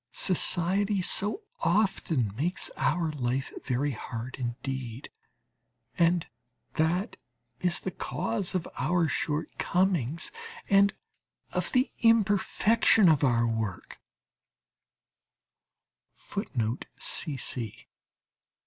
Society so often makes our life very hard indeed, and that is the cause of our shortcomings and of the imperfection of our work{CC}....